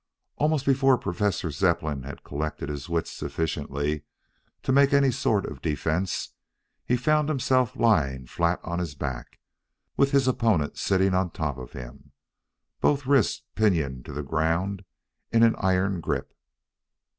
Almost before Professor Zepplin had collected his wits sufficiently to make any sort of defense he found himself lying flat on his back, with his opponent sitting on top of him, both wrists pinioned to the ground in an iron grip.